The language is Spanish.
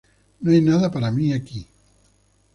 No hay nada para mí aquí.